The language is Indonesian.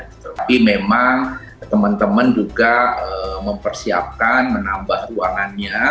tetapi memang teman teman juga mempersiapkan menambah ruangannya